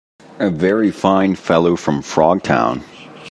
A Very Fine Fellow from Frogtown.